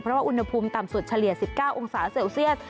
เพราะว่าอุณหภูมิต่ำสุดเฉลี่ย๑๙องศาเซลเซียส